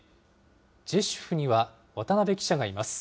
ジェシュフには渡辺記者がいます。